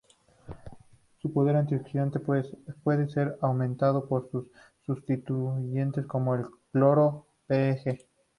Su poder oxidante puede ser aumentado por sustituyentes como el cloro p.ej.